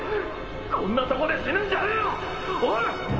こんなとこで死ぬんじゃねえよおい！